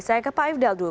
saya ke pak ifdal dulu